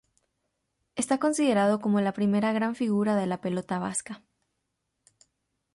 Está considerado como la primera gran figura de la pelota vasca.